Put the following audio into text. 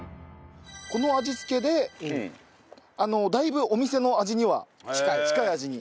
この味付けでだいぶお店の味には近い味に。